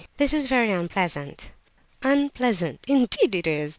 This is very unpleasant!" "Unpleasant! Indeed it is.